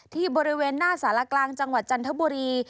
ที่บริเวณหน้าสารกลางจังหวัดจันทบุรี